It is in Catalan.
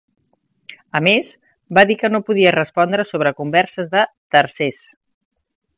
A més, va dir que no podia respondre sobre converses de ‘tercers’.